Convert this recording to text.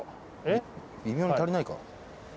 微妙に足りないか？